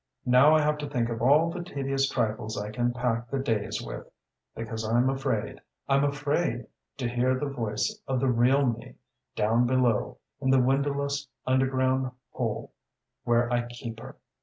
Now I have to think of all the tedious trifles I can pack the days with, because I'm afraid I'm afraid to hear the voice of the real me, down below, in the windowless underground hole where I keep her....